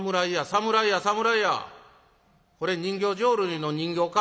これ人形浄瑠璃の人形か？